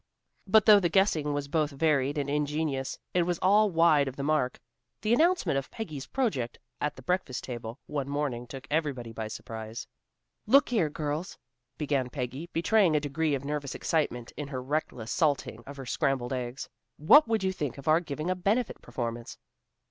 But though the guessing was both varied and ingenious, it was all wide of the mark. The announcement of Peggy's project at the breakfast table one morning took everybody by surprise. "Look here, girls," began Peggy, betraying a degree of nervous excitement in her reckless salting of her scrambled eggs, "what would you think of our giving a benefit performance?"